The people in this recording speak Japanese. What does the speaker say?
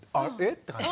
って感じ。